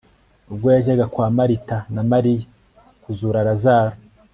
ubwo yajyaga kwa marita na mariya kuzura lazaro